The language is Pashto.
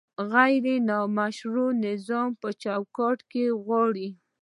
غیر مشروع نظام په چوکاټ کې غواړي؟